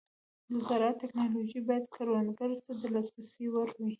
د زراعت ټيکنالوژي باید کروندګرو ته د لاسرسي وړ وي.